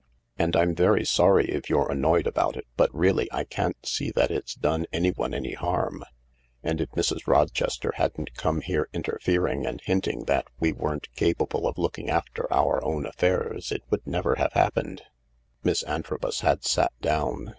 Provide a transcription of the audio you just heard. And I'm very sorry if you're annoyed about it, but really I can't see that it's done anyone any harm, and if Mrs. Rochester hadn't come here interfering and hinting that we weren't capable of looking after our own affairs it would never have happened." Miss Antrobus had sat down.